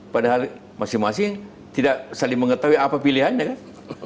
padahal masing masing tidak saling mengetahui apa pilihannya kan